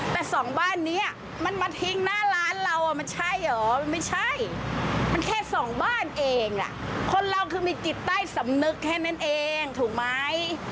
แต่สองบ้านนี้มันมาทิ้งหน้าร้านเรามันใช่เหรอมันไม่ใช่มันแค่สองบ้านเองคนเราคือมีจิตใต้สำนึกแค่นั้นเองถูกไหม